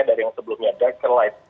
dari yang sebelumnya darker light